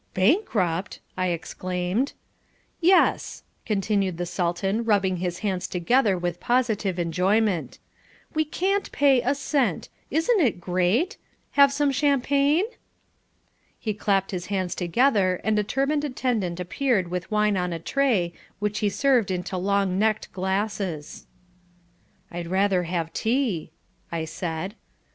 "Bankrupt!" I exclaimed. "Yes," continued the Sultan, rubbing his hands together with positive enjoyment, "we can't pay a cent: isn't it great? Have some champagne?" He clapped his hands together and a turbaned attendant appeared with wine on a tray which he served into long necked glasses. "I'd rather have tea," I said.